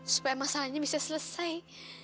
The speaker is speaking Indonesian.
supaya masalahnya bisa selesai